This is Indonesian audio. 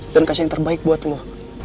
dan kasih yang terbaik buat lo